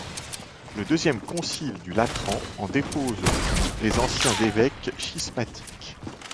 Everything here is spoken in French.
Le deuxième concile du Latran en dépose tous les anciens évêques schismatiques.